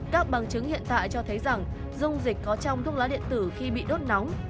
các bằng chứng hiện tại cho thấy rằng dung dịch có trong thuốc lá điện tử khi bị đốt nóng